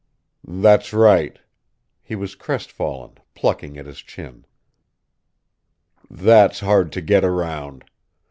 "That's right." He was crestfallen, plucking at his chin. "That's hard to get around.